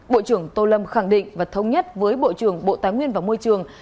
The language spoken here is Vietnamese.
bộ trưởng tô lâm khẳng định và thông nhất với bộ trưởng bộ tài nguyên và môi trường